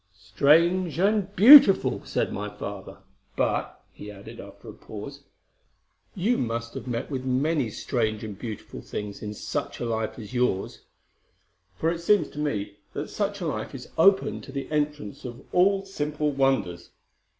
"Strange and beautiful!" said my father. "But," he added, after a pause, "you must have met with many strange and beautiful things in such a life as yours; for it seems to me that such a life is open to the entrance of all simple wonders.